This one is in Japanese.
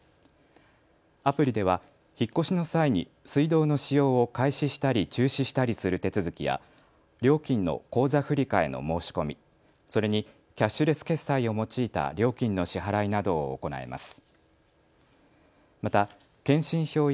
アプリでは引っ越しの際に水道の使用を開始したり中止したりする手続きや料金の口座振替の申し込み、それにキャッシュレス決済を用いた料金の支払いなどを行います。